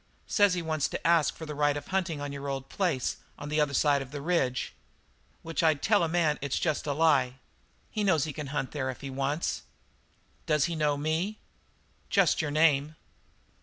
Says he wants to ask for the right of hunting on your old place on the other side of the range. Which I'd tell a man it's jest a lie. He knows he can hunt there if he wants to." "Does he know me?" "Just your name."